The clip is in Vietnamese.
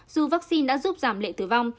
dù vaccine đã giúp giảm lệ tử vong